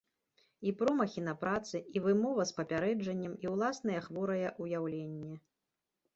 І промахі на працы, і вымова з папярэджаннем, і ўласнае хворае ўяўленне.